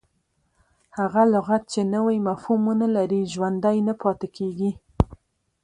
هغه لغت، چي نوی مفهوم و نه لري، ژوندی نه پاته کیږي.